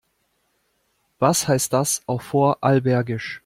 Was heißt das auf Vorarlbergisch?